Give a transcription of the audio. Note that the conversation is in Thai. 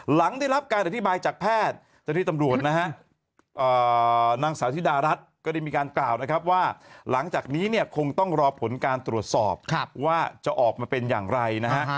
หลังได้รับการอธิบายจากแพทย์เจ้าที่ตำรวจนะฮะนางสาวธิดารัฐก็ได้มีการกล่าวนะครับว่าหลังจากนี้เนี่ยคงต้องรอผลการตรวจสอบว่าจะออกมาเป็นอย่างไรนะฮะ